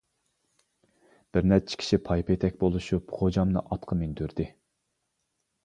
-بىر نەچچە كىشى پايپېتەك بولۇشۇپ غوجامنى ئاتقا مىندۈردى.